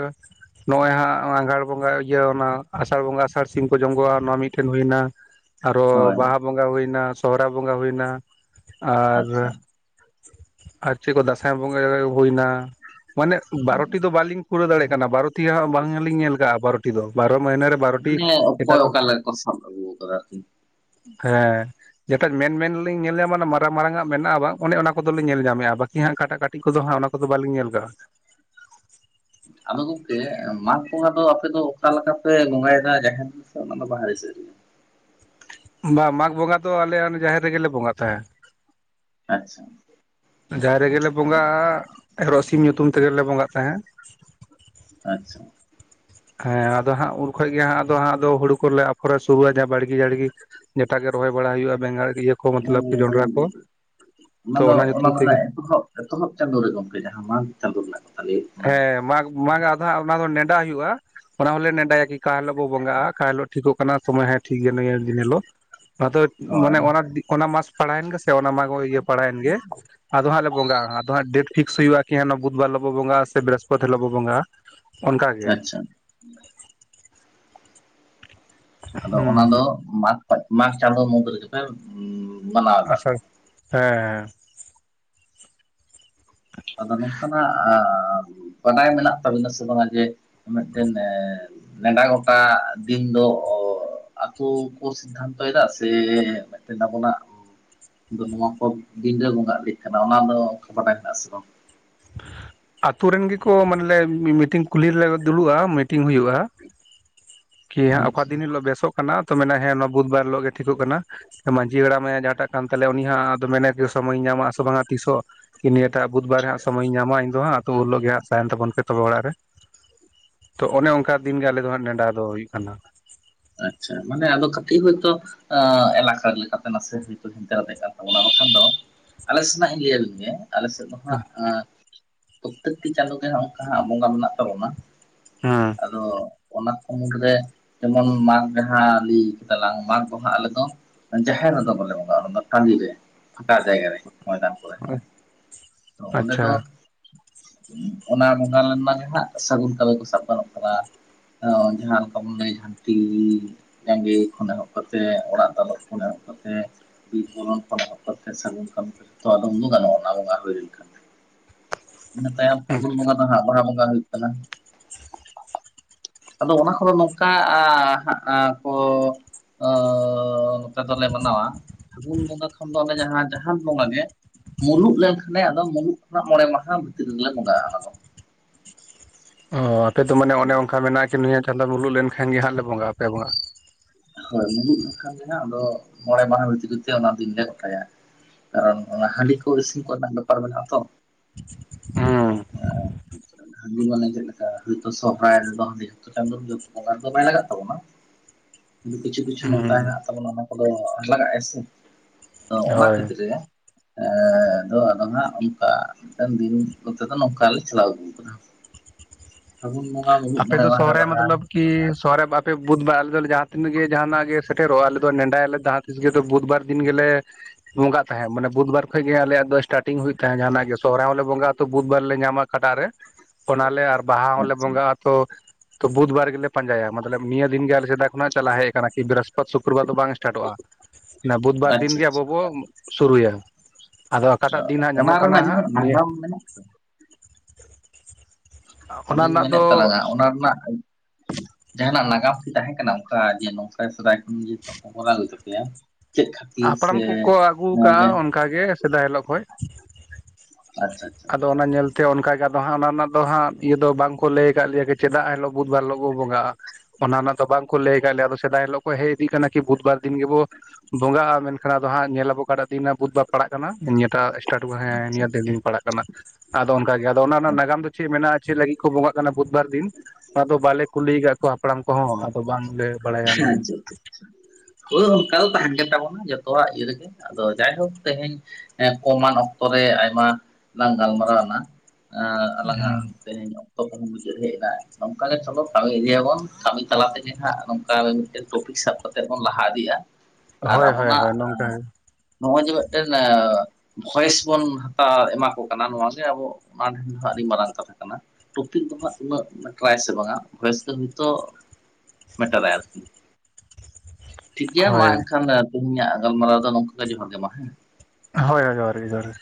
ᱱᱚᱜ-ᱚᱭ ᱦᱟᱸᱜ ᱟᱸᱜᱷᱟᱲ ᱵᱚᱸᱜᱟ ᱤᱭᱟᱹ ᱚᱱᱟ ᱟᱥᱟᱲ ᱵᱚᱸᱜᱟ ᱟᱥᱟᱲ ᱥᱤᱢ ᱠᱚ ᱡᱚᱢ ᱠᱚᱣᱟ ᱱᱚᱣᱟ ᱢᱤᱫᱴᱮᱱ ᱦᱩᱭᱱᱟ, ᱟᱨᱚ ᱦᱳᱭ ᱵᱟᱦᱟ ᱵᱚᱸᱜᱟ ᱦᱩᱭᱱᱟ ᱥᱚᱦᱚᱨᱟᱭ ᱵᱚᱸᱜᱟ ᱦᱩᱭᱱᱟ, ᱟᱪᱪᱷᱟ ᱟᱨ ᱟᱨ ᱪᱮᱫ ᱠᱚ ᱫᱟᱸᱥᱟᱭ ᱵᱚᱸᱜᱟ ᱦᱩᱭᱱᱟ ᱢᱟᱱᱮ ᱦᱩᱸ᱾ ᱵᱟᱨᱚᱴᱤ ᱫᱚ ᱵᱟᱞᱤᱧ ᱯᱩᱨᱟᱹ ᱫᱟᱲᱮᱜ ᱠᱟᱱᱟ ᱵᱟᱨᱚᱴᱤ ᱦᱟᱸᱜ ᱵᱟᱝᱞᱤᱧ ᱧᱮᱞ ᱠᱟᱜᱼᱟ ᱵᱟᱨᱚᱴᱤ ᱫᱚ, ᱵᱟᱨ ᱢᱟᱹᱭᱱᱟᱹ ᱨᱮ ᱵᱟᱨᱚᱴᱤ ᱢᱟᱱᱮ ᱚᱠᱚᱭ ᱮᱴᱟᱜ ᱚᱠᱟ ᱞᱮᱠᱟ ᱠᱚ ᱥᱟᱵ ᱟᱜᱩᱣ ᱠᱟᱫᱟ ᱟᱨᱠᱤ᱾ ᱦᱮᱸ᱾ ᱡᱮᱴᱟ ᱢᱮᱱ ᱢᱮᱱ ᱞᱤᱧ ᱧᱮᱞ ᱧᱟᱢᱟ ᱚᱱᱟ ᱢᱟᱨᱟᱝ ᱢᱟᱨᱟᱝᱟᱜ ᱢᱮᱱᱟᱜᱼᱟ ᱵᱟᱝ ᱚᱱᱮ ᱚᱱᱟ ᱠᱚᱫᱚᱞᱤᱧ ᱧᱮᱞ ᱧᱟᱢᱮᱼᱟ ᱵᱟᱹᱠᱤ ᱦᱟᱸᱜ ᱟᱠᱟᱴᱟ ᱚᱠᱟᱴᱟ ᱠᱟᱹᱴᱤᱡ ᱠᱚᱫᱚ ᱦᱟᱸᱜ ᱚᱱᱟ ᱠᱚᱫᱚ ᱵᱟᱞᱤᱧ ᱧᱮᱞ ᱠᱟᱜᱼᱟ᱾ ᱟᱫᱚ ᱜᱚᱝᱠᱮ ᱢᱟᱜᱽ ᱵᱚᱸᱜᱟ ᱫᱚ ᱟᱯᱮ ᱫᱚ ᱚᱠᱟ ᱞᱮᱠᱟ ᱯᱮ ᱵᱚᱸᱜᱟᱭ ᱮᱫᱟ ᱡᱟᱦᱮᱨ ᱨᱮ? ᱥᱮ ᱚᱱᱟ ᱫᱚ ᱵᱟᱦᱟᱨ ᱥᱮᱫᱨᱮ? ᱵᱟᱝ ᱢᱟᱜᱽ ᱵᱚᱸᱜᱟ ᱫᱚ ᱟᱞᱮ ᱚᱱᱟ ᱡᱟᱦᱮᱨ ᱨᱮᱜᱮᱞᱮ ᱵᱚᱸᱜᱟ ᱛᱟᱦᱮᱸ᱾ ᱟᱪᱪᱷᱟ᱾ ᱡᱟᱦᱮᱨ ᱨᱮᱜᱮᱞᱮ ᱵᱚᱸᱜᱟᱜᱼᱟ ᱮᱨᱚᱜ ᱥᱤᱢ ᱧᱩᱛᱩᱢ ᱛᱮᱜᱮᱞᱮ ᱵᱚᱸᱜᱟᱜ ᱛᱟᱦᱮᱸᱫ᱾ ᱟᱪᱪᱷᱟ᱾ ᱦᱮᱸ ᱟᱫᱚ ᱦᱟᱸᱜ ᱩᱱ ᱠᱷᱚᱡ ᱜᱮᱦᱟ ᱟᱫᱚᱦᱟᱜ ᱟᱫᱚ ᱦᱩᱲᱩ ᱠᱚᱞᱮ ᱟᱯᱷᱚᱨᱟ [inaudible] ᱡᱟᱦᱟ ᱵᱟᱲᱜᱤ ᱡᱷᱟᱲᱜᱤ ᱡᱮᱴᱟᱜᱮ ᱨᱚᱦᱚᱭ ᱵᱟᱲᱟ ᱦᱩᱭᱩᱜᱼᱟ ᱵᱮᱸᱜᱟᱲ ᱤᱭᱟᱹ ᱠᱚ ᱢᱚᱛᱞᱚᱵ ᱠᱤ ᱡᱚᱱᱰᱨᱟ ᱠᱚ ᱦᱩᱸ ᱚᱱᱟ ᱛᱚ ᱫᱚ ᱚᱱᱟ ᱧᱩᱛᱩᱢ ᱫᱚ ᱛᱮᱜᱮ ᱦᱟᱜ ᱮᱛᱚᱦᱚᱵ ᱮᱛᱚᱦᱚᱵ ᱪᱟᱸᱫᱳ ᱨᱮ ᱜᱚᱝᱠᱮ ᱡᱟᱦᱟᱸ ᱢᱟᱜᱽ ᱪᱟᱸᱫᱳ ᱨᱮᱱᱟᱜ ᱞᱟᱹᱭ ᱦᱩᱭᱩᱜ ᱠᱟᱱᱟ ᱦᱮᱸ ᱢᱟᱜ ᱢᱟᱜ ᱟᱫᱷᱟ ᱚᱱᱟ ᱫᱚ ᱱᱮᱰᱟ ᱦᱩᱭᱩᱜᱼᱟ ᱚᱱᱟ ᱦᱚᱞᱮ ᱱᱮᱰᱟᱭᱟ ᱠᱤ ᱚᱠᱟ ᱦᱤᱞᱳᱜ ᱵᱚ ᱵᱚᱸᱜᱟᱜᱼᱟ ᱚᱠᱟ ᱦᱤᱞᱳᱜ, ᱴᱷᱤᱠᱚᱜ ᱠᱟᱱᱟ ᱥᱚᱢᱚᱭ ᱦᱮᱸ ᱴᱷᱤᱠ ᱜᱮᱭᱟ ᱱᱤᱭᱟᱹ ᱫᱤᱱ ᱦᱤᱞᱳᱜ ᱟᱫᱚ ᱦᱳᱭ ᱢᱟᱱᱮ ᱚᱱᱟ ᱫᱤ ᱚᱱᱟ ᱢᱟᱥ ᱯᱟᱲᱟᱣᱮᱱ ᱜᱮᱥᱮ ᱥᱮ ᱚᱱᱟ ᱢᱟᱜᱽ ᱤᱭᱟᱹ ᱯᱟᱲᱟᱣᱮᱱ ᱜᱮ, ᱟᱫᱚ ᱦᱟᱸᱜ ᱞᱮ ᱵᱚᱸᱜᱟᱼᱟ ᱟᱫᱚ ᱦᱟᱸᱜ ᱰᱮᱴ ᱯᱷᱤᱠᱥ ᱦᱩᱭᱩᱜᱼᱟ ᱠᱤ ᱦᱟᱜ ᱵᱩᱫᱷ ᱵᱟᱨ ᱦᱤᱞᱳ ᱵᱚᱸᱜᱟᱜᱼᱟ ᱥᱮ ᱵᱤᱨᱦᱚᱥᱯᱚᱛᱤ ᱦᱤᱞᱳ ᱵᱚ ᱵᱚᱸᱜᱟᱼᱟ᱾ ᱚᱱᱠᱟᱜᱮ᱾ ᱟᱪᱪᱷᱟ ᱟᱫᱚ ᱦᱩᱸ ᱚᱱᱟ ᱫᱚ ᱢᱟᱜᱽ ᱢᱟᱜᱽ ᱪᱟᱸᱫᱚ ᱢᱩᱫᱽ ᱨᱮᱜᱮ ᱯᱮ ᱢᱟᱱᱟᱣ ᱮᱫᱟ ᱟᱥᱟᱲ ᱦᱮᱸ ᱟᱫᱚ ᱱᱚᱝᱠᱟ ᱱᱟᱜ ᱵᱟᱰᱟᱭ ᱢᱮᱱᱟᱜ ᱛᱟᱵᱤᱱᱟ ᱥᱮ ᱵᱟᱝᱟ ᱡᱮ ᱢᱤᱫᱴᱮᱱ ᱱᱮᱰᱟ ᱜᱚᱴᱟ ᱫᱤᱱ ᱫᱚ ᱟᱠᱩ ᱠᱚ ᱥᱤᱫᱫᱷᱟᱱᱛᱭ ᱮᱫᱟ ᱥᱮ ᱢᱤᱫᱴᱟᱱ ᱟᱵᱚᱱᱟ ᱟᱫᱚ ᱱᱚᱣᱟ ᱠᱚ [unintelligible] ᱵᱚᱸᱜᱟᱜ ᱤᱫᱤᱜ ᱠᱟᱱᱟ ᱚᱱᱟ ᱫᱚ ᱵᱟᱰᱟᱭ ᱦᱮᱱᱟᱜ ᱟᱥᱮ ᱵᱟᱝ? ᱟᱛᱳ ᱨᱮᱱ ᱜᱮᱠᱚ ᱢᱟᱱᱮᱞᱮ ᱢᱤᱴᱤᱝ ᱠᱩᱞᱦᱤᱞᱮᱨᱮ ᱫᱩᱲᱩᱵᱼᱟ ᱢᱤᱴᱤᱝ ᱦᱩᱭᱩᱜᱼᱟ᱾ [inaudible] ᱠᱤ ᱦᱟᱜ ᱚᱠᱟ ᱟᱪᱪᱷᱟ ᱫᱤᱱ ᱦᱤᱞᱳᱜ ᱵᱮᱥᱚᱜ ᱠᱟᱱᱟ ᱛᱚ ᱢᱮᱱᱟ ᱦᱮᱸ ᱚᱱᱟ ᱵᱩᱫᱷ ᱵᱟᱨ ᱦᱤᱞᱳᱜ ᱜᱮ ᱴᱷᱤᱠᱚᱜ ᱠᱟᱱᱟ ᱢᱟᱹᱡᱷᱤ ᱦᱟᱲᱟᱢᱮ ᱡᱟᱦᱟᱸᱴᱟᱜ ᱠᱟᱱ ᱛᱟᱦᱚᱞᱮ ᱩᱱᱤ ᱦᱟᱸᱜ ᱟᱫᱚ ᱢᱮᱱᱮ ᱠᱤ ᱥᱚᱢᱚᱭᱤ ᱧᱟᱢᱟ ᱥᱮ ᱵᱟᱝᱟ ᱛᱤᱥ ᱦᱚᱸ ᱠᱤ ᱱᱤᱭᱟᱹᱴᱟᱜ ᱵᱩᱫᱷᱵᱟᱨ ᱦᱟᱜ ᱥᱚᱢᱚᱭᱤᱧ ᱧᱟᱢᱟ ᱤᱧᱫᱚ ᱦᱟᱸᱜ ᱟᱹᱛᱩ ᱦᱤᱞᱳᱜ ᱜᱮ ᱦᱟᱜ ᱛᱟᱦᱮᱱ ᱛᱟᱵᱟᱱᱯᱮ ᱡᱚᱛᱟ ᱚᱲᱟᱜ ᱨᱮ ᱾ ᱛᱚ ᱚᱱᱮ ᱚᱱᱠᱟ ᱫᱤᱱ ᱜᱮ ᱟᱞᱮ ᱫᱚ ᱦᱟᱸᱜ ᱱᱮᱰᱟ ᱫᱚ ᱦᱩᱭᱩᱜ ᱠᱟᱱᱟ᱾ ᱟᱪᱪᱷᱟ ᱢᱟᱱᱮ ᱟᱫᱚ ᱠᱟᱹᱴᱤᱡ ᱦᱚᱭ ᱛᱚ ᱮᱞᱟᱠᱟ ᱞᱮᱠᱟᱛᱮ ᱱᱟᱥᱮ ᱦᱚᱭᱛᱳ ᱦᱟᱱᱛᱮ ᱱᱟᱛᱮᱜ ᱠᱟᱱ ᱛᱟᱵᱚᱱᱟ ᱵᱟᱠᱷᱟᱱ ᱫᱚ ᱟᱞᱮ ᱥᱮᱱᱟᱜ ᱤᱧ ᱞᱟᱹᱭ ᱟᱵᱮᱱ ᱜᱮ ᱟᱞᱮ ᱥᱮᱫ ᱫᱚ ᱦᱟᱸᱜ ᱯᱚᱛᱛᱮᱠᱴᱤ ᱪᱟᱸᱫᱩ ᱜᱮᱦᱟᱸᱜ ᱚᱱᱠᱟ ᱦᱟᱜ ᱵᱚᱸᱜᱟ ᱢᱮᱱᱟᱜ ᱛᱟᱵᱚᱱᱟ᱾ ᱦᱮᱸ ᱟᱫᱚ ᱚᱱᱟᱠᱚ ᱢᱩᱫ ᱨᱮ ᱡᱚᱠᱷᱚᱱ ᱢᱟᱜᱽ ᱨᱮᱦᱟᱜ ᱞᱟᱹᱭ ᱠᱮᱫᱟ ᱞᱟᱝ ᱢᱟᱜᱽ ᱫᱚᱦᱟᱜ ᱟᱞᱮ ᱫᱚ᱾ ᱡᱟᱦᱮᱨ ᱨᱮᱫᱚ ᱵᱟᱞᱮ ᱵᱚᱸᱜᱟᱜᱼᱟ ᱚᱱᱟ ᱴᱟᱺᱰᱤ ᱨᱮ ᱯᱷᱟᱸᱠᱟ ᱡᱟᱭᱜᱟ ᱨᱮ᱾ ᱢᱚᱭᱫᱟᱱ ᱠᱚᱨᱮ ᱦᱮᱸ ᱛᱚ ᱚᱸᱰᱮ ᱟᱪᱪᱷᱟ ᱫᱚ ᱚᱱᱟ ᱵᱚᱸᱜᱟ ᱞᱮᱱᱟ ᱜᱮ ᱦᱟᱜ ᱥᱟᱹᱜᱩᱱ ᱠᱟᱢᱤ ᱠᱚ ᱥᱟᱵ ᱜᱟᱱᱚᱜ ᱠᱟᱱᱟ᱾ ᱚ ᱡᱟᱦᱟᱸ ᱞᱮᱠᱟ ᱵᱚᱱ ᱞᱟᱹᱭ ᱠᱷᱟᱱ ᱛᱤ ᱡᱟᱸᱜᱮ ᱠᱷᱚᱱ ᱮᱦᱚᱵ ᱠᱟᱛᱮ ᱚᱲᱟᱜ ᱫᱟᱞᱚᱵ ᱠᱷᱚᱱ ᱮᱦᱚᱵ ᱠᱟᱛᱮ᱾ ᱵᱤᱨ ᱵᱚᱞᱚᱱ ᱯᱚᱨᱮ [unintelligible] ᱥᱟᱹᱜᱩᱱ ᱠᱟᱢᱤ ᱛᱚ ᱟᱫᱚ ᱩᱫᱩᱠ ᱟᱞᱮ ᱚᱱᱟ ᱵᱚᱸᱜᱟ ᱦᱩᱭ ᱞᱮᱱ ᱠᱷᱟᱱ ᱤᱱᱟᱹ ᱛᱟᱭᱚᱢ ᱯᱷᱟᱹᱜᱩᱱ ᱵᱚᱸᱜᱟ ᱫᱚ ᱦᱟᱸᱜ ᱵᱟᱦᱟ ᱵᱚᱸᱜᱟ ᱦᱩᱭᱩᱜ ᱠᱟᱱᱟ ᱟᱫᱚ ᱚᱱᱟ ᱠᱚᱫᱚ ᱱᱚᱝᱠᱟ ᱟ ᱦᱟᱜ ᱠᱚ ᱚ ᱱᱚᱛᱮ ᱫᱚᱞᱮ ᱢᱟᱱᱟᱣᱟ᱾ ᱯᱷᱟᱹᱜᱩᱱ ᱵᱚᱸᱜᱟ ᱠᱷᱟᱱ ᱫᱚ ᱚᱱᱮ ᱡᱟᱦᱟᱸ ᱡᱟᱦᱟᱱ ᱵᱚᱸᱜᱟ ᱜᱮ ᱢᱩᱞᱩᱜ ᱞᱮᱱᱠᱷᱟᱱᱮ ᱟᱫᱚ ᱢᱩᱞᱩᱜ ᱠᱷᱚᱱᱟᱜ ᱢᱚᱬᱮ ᱢᱟᱦᱟ ᱵᱷᱤᱛᱤᱨ ᱨᱮᱞᱮ ᱵᱚᱸᱜᱟᱜᱼᱟ᱾ ᱚᱱᱟ ᱚ ᱟᱯᱮ ᱫᱚ ᱢᱟᱱᱮ ᱚᱱᱮ ᱚᱱᱠᱟ ᱢᱮᱱᱟᱜᱼᱟ ᱠᱤ ᱱᱩᱭᱟᱹ ᱪᱟᱸᱫᱳ ᱢᱩᱞᱩᱜ ᱞᱮᱱᱠᱷᱟᱱ ᱜᱮ ᱦᱟᱸᱜ ᱞᱮ ᱵᱚᱸᱜᱟ ᱟᱯᱮ ᱵᱚᱸᱜᱟ ᱦᱳᱭ ᱢᱩᱢᱩ ᱞᱮᱱᱠᱷᱟᱱ ᱜᱮ ᱦᱟᱜ ᱟᱫᱚ ᱢᱚᱬᱮ ᱢᱟᱦᱟ ᱵᱷᱤᱛᱨᱤ ᱛᱮ ᱚᱱᱟ ᱫᱤᱱ ᱞᱮ ᱜᱚᱴᱟᱭᱟ᱾ ᱠᱟᱨᱚᱱ ᱚᱱᱟ ᱦᱟᱺᱰᱤ ᱠᱚ ᱤᱥᱤᱱ ᱠᱚᱨᱮᱱᱟᱜ ᱵᱮᱯᱟᱨ ᱢᱮᱱᱟᱜᱼᱟ ᱛᱚ᱾ ᱦᱩᱸ ᱦᱟᱺᱰᱤ ᱢᱟᱱᱮ ᱪᱮᱫᱠᱟ ᱦᱭᱛᱳ ᱥᱚᱦᱨᱟᱭ ᱨᱮ ᱫᱚ ᱦᱟᱺᱰᱤ ᱫᱚ ᱵᱟᱭ ᱞᱟᱜᱟᱜ ᱛᱟᱵᱚᱱᱟ᱾ ᱠᱤᱪᱷᱩ ᱠᱤᱪᱷᱩ ᱦᱩᱸ ᱱᱚᱝᱠᱟ ᱦᱮᱱᱟᱜ ᱛᱟᱵᱚᱱᱟ ᱚᱱᱟ ᱠᱚᱫᱚ ᱞᱟᱜᱟᱜᱼᱟ ᱥᱮ? ᱟᱫᱚ ᱚᱱᱟ ᱦᱳᱭ ᱠᱷᱮᱛᱨᱮ ᱨᱮ ᱫᱚ ᱟᱫᱚ ᱦᱟᱸᱜ ᱚᱱᱠᱟ ᱢᱤᱫᱴᱟᱝ ᱫᱤᱱ ᱠᱚᱛᱮ ᱫᱚ ᱱᱚᱝᱠᱟ ᱞᱮ ᱪᱟᱞᱟᱣ ᱟᱜᱩ [inaudible] ᱯᱷᱟᱜᱩᱱ ᱢᱚ ᱟᱯᱮ ᱫᱚ ᱥᱚᱦᱚᱨᱟᱭ ᱢᱚᱛᱞᱚᱵ ᱠᱤ ᱥᱚᱦᱚᱨᱮ ᱵᱟᱯ ᱯᱮ ᱵᱩᱫᱷᱵᱟᱨ ᱟᱞᱮ ᱫᱚ ᱞᱮ ᱡᱟᱦᱟᱸ ᱛᱤᱱᱹᱜ ᱜᱮ ᱡᱟᱦᱟᱱᱟᱜ ᱜᱮ ᱥᱮᱴᱮᱨᱚᱜ-ᱟ ᱟᱞᱮ ᱫᱚ ᱱᱮᱰᱟᱭᱟᱞᱮ ᱡᱟᱦᱟᱸ ᱛᱤᱥ ᱜᱮ ᱵᱩᱫ ᱵᱟᱨ ᱫᱤᱱ ᱜᱮᱞᱮ ᱵᱚᱸᱜᱟᱜ ᱛᱟᱦᱮᱸ ᱢᱟᱱᱮ ᱵᱩᱫ ᱵᱟᱨ ᱠᱷᱚᱡ ᱜᱮ ᱟᱞᱮᱭᱟᱜ ᱫᱚ ᱥᱴᱟᱴᱤᱝ ᱦᱩᱭᱩᱜ ᱛᱟᱦᱮᱸᱜ ᱡᱟᱦᱟᱱᱟᱜ ᱜᱮ ᱥᱚᱦᱚᱨᱟᱭ ᱦᱚᱸᱞᱮ ᱵᱚᱸᱟᱜ ᱛᱚ ᱵᱩᱫᱷ ᱵᱟᱨ ᱞᱮ ᱧᱟᱢᱟ ᱠᱟᱴᱟᱜ ᱨᱮ ᱚᱱᱟᱞᱮ ᱟᱨ ᱵᱟᱦᱟ ᱦᱚᱸᱞᱮ ᱟᱪᱪᱷᱟ ᱵᱚᱸᱜᱟᱜᱼᱟ ᱛᱚ ᱛᱚ ᱵᱩᱫ ᱵᱟᱨ ᱜᱮᱞᱮ ᱯᱟᱸᱡᱟᱭᱟ ᱢᱚᱛᱞᱚᱵ ᱱᱤᱭᱟᱹ ᱫᱤᱱ ᱜᱮ ᱟᱞᱮ ᱥᱮᱫᱟᱭ ᱠᱷᱚᱱᱟᱜ ᱪᱟᱞᱟᱜ ᱦᱮᱡ ᱟᱠᱟᱱᱟ ᱠᱤ ᱵᱨᱤᱦᱚᱥᱯᱚᱛ ᱥᱩᱠᱨᱚᱵᱟᱨ ᱫᱚ ᱵᱟᱝ ᱥᱴᱟᱨᱴᱚᱜᱼᱟ ᱚᱱᱟ ᱵᱩᱫᱷᱵᱟᱨ ᱟᱪᱪᱷᱟ ᱫᱤᱱᱜᱮ ᱟᱵᱚ ᱟᱪᱪᱷᱟ ᱵᱚ ᱥᱩᱨᱩᱭᱟ ᱟᱫᱚ ᱚᱠᱟᱴᱟᱜ ᱫᱤᱱ ᱦᱟᱸᱜ ᱧᱟᱢᱚᱜ ᱚᱱᱟ ᱠᱟᱱᱟ ᱨᱮᱱᱟᱜ ᱦᱟᱸᱜ ᱱᱤᱭᱟᱹ [unintelligible] ᱚᱱᱟ ᱟᱫᱚᱧ ᱨᱮᱱᱟᱜ ᱫᱚ ᱢᱮᱱᱮᱫ ᱛᱟᱞᱟᱝᱼᱟ ᱚᱱᱟ ᱨᱮᱱᱟᱜ ᱡᱟᱦᱟᱸᱱᱟᱜ ᱱᱟᱜᱟᱢ ᱠᱤ ᱛᱟᱦᱮᱸ ᱠᱟᱱᱟ ᱚᱱᱠᱟ ᱡᱮ ᱱᱚᱝᱠᱟ ᱥᱮᱫᱟᱭ ᱠᱷᱚᱱ ᱡᱚᱛᱚ ᱠᱚᱨᱟᱣ ᱟᱹᱜᱩᱭᱮᱫ ᱛᱟᱯᱮᱭᱟ? ᱪᱮᱫ ᱠᱷᱟᱹᱛᱤᱨ ᱥᱮ ᱱᱚᱣᱟ ᱜᱮ? ᱠᱟ ᱜᱮ ᱥᱮᱫᱟᱭ ᱦᱤᱞᱳᱜ ᱠᱷᱚᱡ ᱟᱪᱪᱷᱟ ᱟᱪᱪᱷᱟ, ᱟᱫᱚ ᱚᱱᱟ ᱧᱮᱞᱛᱮ ᱚᱱᱠᱟ ᱜᱮ ᱟᱫᱚ ᱦᱟᱸᱜ ᱚᱱᱟ ᱨᱮᱱᱟᱜ ᱫᱚ ᱦᱟᱸᱜ ᱤᱭᱟᱹ ᱫᱚ ᱵᱟᱝᱠᱚ ᱞᱟᱹᱭ ᱟᱠᱟᱫ ᱞᱮᱭᱟ ᱠᱤ ᱪᱮᱫᱟᱜ ᱦᱤᱞᱳᱜ ᱵᱩᱫᱵᱟᱨ ᱦᱤᱞᱳᱜ ᱵᱚ ᱵᱚᱸᱜᱟᱜᱼᱟ, ᱚᱱᱟ ᱚᱱᱟ ᱫᱚ ᱵᱟᱝᱠᱚ ᱞᱟᱹᱭ ᱠᱟᱜ ᱞᱮᱭᱟ ᱟᱫᱚ ᱥᱮᱫᱟᱭ ᱦᱤᱞᱳᱜ ᱠᱚ ᱦᱮᱡ ᱤᱫᱤᱜ ᱠᱟᱱᱟ ᱠᱤ ᱵᱩᱫᱵᱟᱨ ᱫᱤᱱ ᱜᱤᱵᱩ ᱵᱚᱸᱜᱟᱜᱼᱟ ᱢᱮᱱᱠᱷᱟᱱ ᱟᱫᱚ ᱦᱟᱸᱜ ᱧᱮᱞᱟᱵᱚ ᱟᱠᱟᱴᱟᱜ ᱫᱤᱱ ᱵᱩᱫᱵᱟᱨ ᱯᱟᱲᱟᱜ ᱠᱟᱱᱟ ᱱᱤᱭᱟᱹᱴᱟᱜ ᱴᱟᱴᱩ ᱦᱮᱸ ᱟᱪᱪᱷᱟ ᱱᱤᱭᱟᱹ ᱫᱤᱱ ᱯᱟᱲᱟᱜ ᱠᱟᱱᱟ ᱟᱫᱚ ᱚᱱᱠᱟ ᱜᱮ ᱟᱫᱚ ᱚᱱᱟ ᱨᱮᱱᱟᱜ ᱱᱟᱜᱟᱢ ᱫᱚ ᱟᱪᱪᱷᱟ ᱪᱮᱫ ᱢᱮᱱᱟᱜᱼᱟ ᱪᱮᱫ ᱞᱟᱹᱜᱤᱫ ᱠᱚ ᱵᱚᱸᱜᱟᱜ ᱠᱟᱱᱟ ᱵᱩᱫᱷᱵᱟᱨ ᱫᱤᱱ? ᱟᱫᱚ ᱵᱟᱞᱮ ᱠᱩᱞᱤ ᱟᱠᱟᱫ ᱠᱚᱣᱟ ᱦᱟᱯᱲᱟᱢ ᱠᱚᱦᱚᱸ ᱟᱫᱚ ᱵᱟᱝᱞᱮ ᱵᱟᱲᱟᱭᱟ ᱚᱱᱟ ᱦᱮᱸ ᱫᱚ ᱡᱚᱛᱷᱚ᱾ ᱦᱳᱭ ᱚᱱᱠᱟ ᱜᱮ ᱛᱟᱦᱮᱱ ᱜᱮᱛᱟᱵᱚᱱᱟ ᱡᱚᱛᱚᱣᱟᱜ ᱤᱭᱟᱹ ᱨᱮᱜᱮ ᱟᱫᱚ ᱡᱟᱭᱦᱳᱠ ᱛᱮᱦᱮᱧ ᱦᱮᱸ ᱠᱚᱢᱟᱱ ᱚᱠᱛᱚ ᱨᱮ ᱟᱭᱢᱟ ᱞᱟᱝ ᱜᱟᱞᱢᱟᱨᱟᱣᱱᱟ ᱮᱸ ᱦᱮᱸ ᱟᱞᱟᱝᱟᱜ ᱛᱮᱦᱮᱧ ᱚᱠᱛᱚ ᱠᱚᱦᱚᱸ ᱢᱩᱪᱟᱹᱫ ᱦᱮᱡ ᱮᱱᱟ ᱱᱚᱝᱠᱟ ᱜᱮ ᱪᱚᱞᱚ ᱠᱟᱹᱢᱤ ᱤᱫᱤᱭᱟᱵᱚᱱ ᱠᱟᱹᱢᱤ ᱛᱟᱞᱟ ᱛᱮᱜᱮ ᱦᱟᱸᱜ ᱢᱤᱫᱴᱮᱱ ᱴᱚᱯᱤᱠ ᱥᱟᱵ ᱠᱟᱛᱮ ᱵᱚᱱ ᱞᱟᱦᱟ ᱤᱫᱤᱜᱼᱟ᱾ ᱟᱨ ᱦᱳᱭ ᱦᱳᱭ ᱟᱵᱚᱱᱟᱜ ᱦᱳᱭ ᱱᱚᱝᱠᱟ ᱱᱚᱜᱼᱚᱭ ᱡᱮ ᱢᱤᱫᱴᱮᱱ ᱮᱜ ᱵᱷᱚᱭᱮᱥ ᱵᱚᱱ ᱦᱟᱛᱟᱣ ᱮᱢᱟ ᱠᱚ ᱠᱟᱱᱟ ᱱᱚᱣᱟᱜᱮ ᱟᱵᱚ ᱡᱟᱨᱟᱝ ᱦᱟᱜ ᱟᱹᱰᱤ ᱢᱟᱨᱟᱝ ᱠᱟᱛᱷᱟ ᱠᱟᱱᱟ ᱴᱚᱯᱤᱠ ᱫᱚᱦᱟᱸᱜ ᱩᱱᱟᱹᱜ ᱢᱮᱴᱟᱨᱟᱭ ᱥᱮ ᱵᱟᱝᱟ ᱵᱷᱚᱭᱮᱥ ᱜᱮ ᱦᱳᱭᱛᱳ ᱢᱮᱴᱟᱨᱟᱭ ᱟᱨᱠᱤ, ᱴᱷᱤᱠ ᱜᱮᱭᱟ ᱢᱟ ᱦᱳᱭ ᱮᱱᱠᱷᱟᱱ ᱛᱮᱦᱮᱧᱟᱜ ᱜᱟᱞᱢᱟᱨᱟᱣ ᱫᱚ ᱱᱚᱝᱠᱟ ᱜᱮ ᱡᱚᱦᱟᱨ ᱜᱮ ᱢᱟ ᱦᱮᱸ᱾ ᱦᱳᱭ ᱦᱳᱭ ᱡᱚᱦᱟᱨ ᱜᱮ ᱡᱚᱦᱟᱨ ᱜᱮ᱾